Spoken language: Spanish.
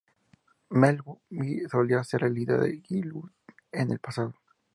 Melville solía ser el líder de Guild en el pasado.